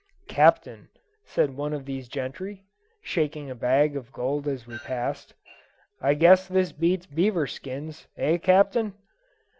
"Captain," said one of these gentry, shaking a bag of gold as we passed, "I guess this beats beaver skins eh, captain?"